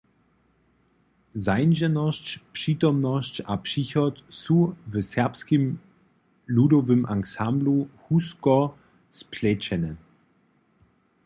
Zańdźenosć, přitomnosć a přichod su w Serbskim ludowym ansamblu wusko splećene.